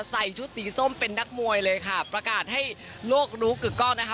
ใส่ชุดสีส้มเป็นนักมวยเลยค่ะประกาศให้โลกรู้กึกกล้องนะคะ